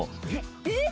えっ！